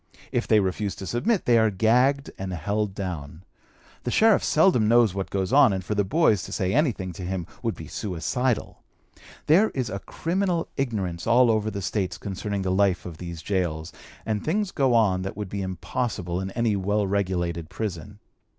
If they refuse to submit, they are gagged and held down. The sheriff seldom knows what goes on, and for the boys to say anything to him would be suicidal. There is a criminal ignorance all over the States concerning the life of these gaols, and things go on that would be impossible in any well regulated prison.